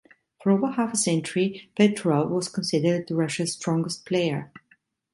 For over half a century Petrov was considered Russia's strongest player.